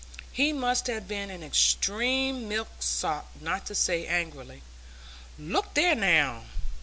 He must have been an extreme milksop not to say angrily, "Look there, now!"